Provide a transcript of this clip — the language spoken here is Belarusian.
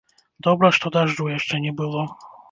Добра, што дажджу яшчэ не было.